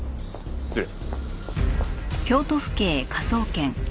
失礼。